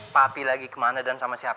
papi lagi ke mana dan sama siapa